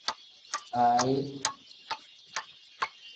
Aayi.